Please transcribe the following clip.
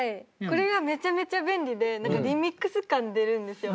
これがめちゃめちゃ便利でリミックス感出るんですよ。